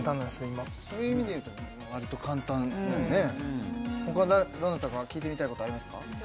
今そういう意味でいうとわりと簡単だよね他どなたか聞いてみたいことありますか？